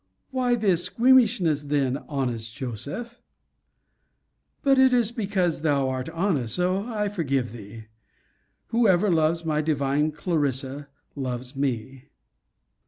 Why this squeamishness then, honest Joseph? But it is because thou art honest so I forgive thee. Whoever loves my divine Clarissa, loves me.